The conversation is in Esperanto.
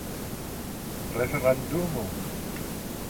referendumo